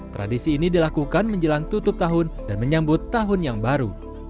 tradisi ini dilakukan menjelang tutup tahun dan menyambut tahun yang baru